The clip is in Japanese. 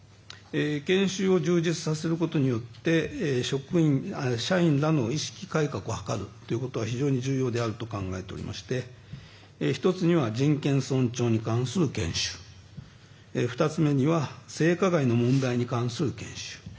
研修を充実させることによって社員らの意識改革を図るということは非常に重要であると考えておりまして１つには人権尊重に関する厳守２つ目には性加害の問題に関する研修